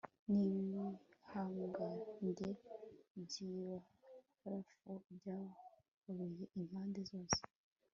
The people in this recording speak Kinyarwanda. Nibihangange byibarafu byahobeye impande zose